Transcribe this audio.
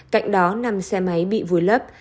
cạnh đó năm xe máy bị vùi lấp